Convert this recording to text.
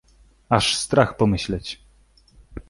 "Aż strach pomyśleć!"